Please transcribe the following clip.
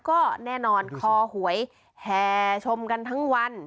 ก็แน่นอนคอหวยแห่ชมกันทั้งวัน